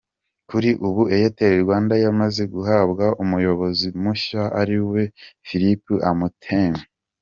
Kuri ubu Airtel Rwanda yamaze guhabwa umuyobozi mushya ari we Philip Amoateng.